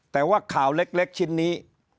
แต่ว่าข่าวเล็กชิ้นนี้